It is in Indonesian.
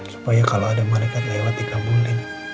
supaya kalau ada malaikat lewat digambulin